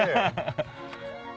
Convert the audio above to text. ハハハ！